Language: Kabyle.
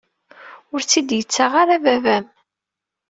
Ur t-id-yettaɣ ara baba-m.